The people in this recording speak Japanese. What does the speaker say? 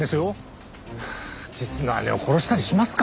実の姉を殺したりしますか？